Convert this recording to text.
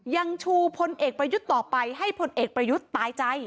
ยังชูพลเอกประยุทธ์ต่อไปให้พลเอกประยุทธ์ตายใจ